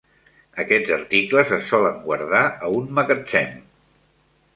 Aquests articles es solen guardar a un magatzem.